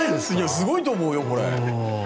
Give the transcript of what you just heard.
すごいと思うよこれ。